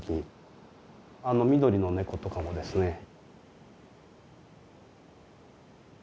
あの緑の猫とかもですね。